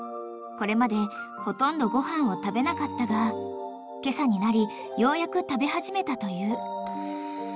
［これまでほとんどご飯を食べなかったが今朝になりようやく食べ始めたという］